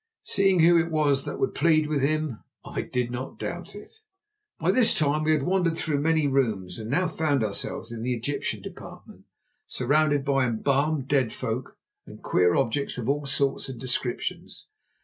Seeing who it was that would plead with him I did not doubt it. By this time we had wandered through many rooms and now found ourselves in the Egyptian Department, surrounded by embalmed dead folk and queer objects of all sorts and descriptions.